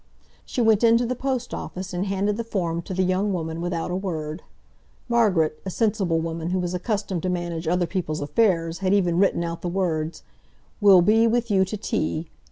She went into the Post Office and handed the form to the young woman without a word. Margaret, a sensible woman, who was accustomed to manage other people's affairs, had even written out the words: "Will be with you to tea.